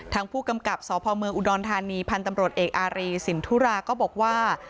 ทางผู้กำกับสพเมืองอุดรธานีพันธ์ตำรวจเอกอารีสินทุราก็บอกว่า